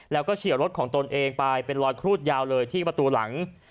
แล้วก็เฉียวรถของตนเองไปเป็นรอยครูดยาวเลยที่ประตูหลัง